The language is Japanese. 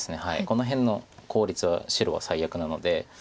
この辺の効率は白は最悪なので。